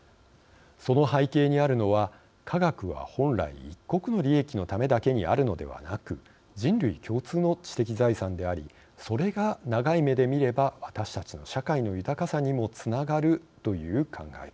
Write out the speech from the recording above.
その背景にあるのは科学は本来一国の利益のためだけにあるのではなく人類共通の知的財産でありそれが長い目で見れば私たちの社会の豊かさにもつながるという考え方です。